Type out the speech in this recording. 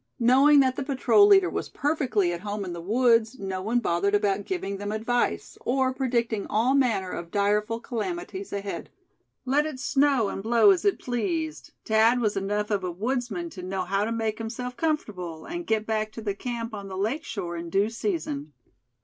Knowing that the patrol leader was perfectly at home in the woods, no one bothered about giving them advice; or predicting all manner of direful calamities ahead. Let it snow and blow as it pleased, Thad was enough of a woodsman to know how to make himself comfortable, and get back to the camp on the lake shore in due season.